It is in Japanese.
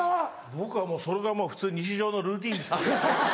僕はもうそれが普通日常のルーティンですけどね。